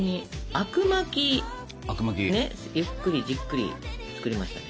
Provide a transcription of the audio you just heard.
あくまきねゆっくりじっくり作りましたね。